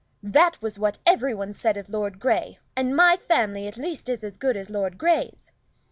That was what every one said of Lord Grey, and my family at least is as good as Lord Grey's.